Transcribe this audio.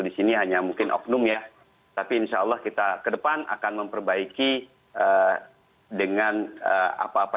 di sini hanya mungkin oknum ya tapi insyaallah kita kedepan akan memperbaiki dengan apa apa